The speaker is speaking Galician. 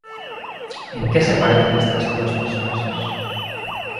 En que se parecen estas dúas personaxes?